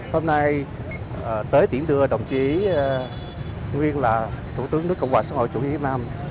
hôm nay tới tiễn đưa đồng chí nguyên là thủ tướng nước cộng hòa xã hội chủ nghĩa